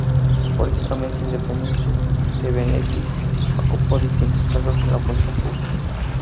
Políticamente independiente, De Benedictis ocupó distintos cargos en la función pública.